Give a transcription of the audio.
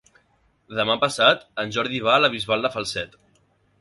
Demà passat en Jordi va a la Bisbal de Falset.